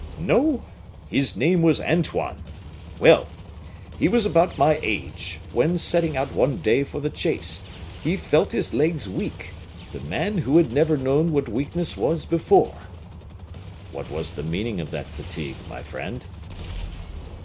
"No; his name was Antoine. Well! he was about my age, when, setting out one day for the chase, he felt his legs weak, the man who had never known what weakness was before." "What was the meaning of that fatigue, my friend?"